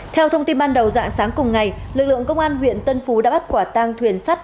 theo thông tin ban đầu dạng sáng cùng ngày lực lượng công an huyện tân phú đã bắt quả tang thuyền sắt